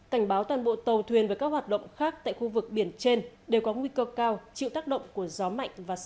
cảnh báo toàn bộ tàu thuyền và các hoạt động khác tại khu vực biển trên đều có nguy cơ cao chịu tác động của gió mạnh và sóng lớn